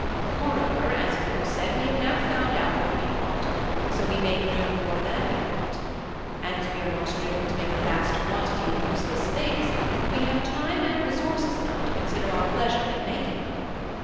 Moreover, as aforesaid, we have now found out what we want, so we make no more than we want; and as we are not driven to make a vast quantity of useless things we have time and resources enough to consider our pleasure in making them.